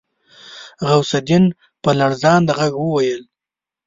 غوث الدين په لړزانده غږ وويل.